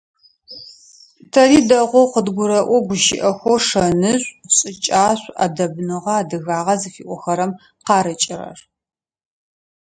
Тэри дэгъоу къыдгурэӀо гущыӀэхэу шэнышӀу, шӀыкӀашӀу, Ӏэдэбныгъэ, адыгагъэ зыфиӀохэрэм къарыкӀырэр.